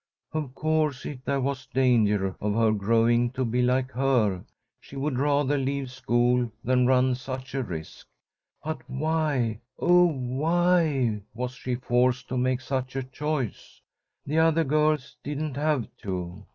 Of course if there was danger of her growing to be like her, she would rather leave school than run such a risk. But why, oh, why was she forced to make such a choice? The other girls didn't have to.